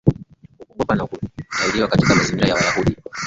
kuongoka na kutahiriwa Katika mazingira yao Wayahudi walikuwa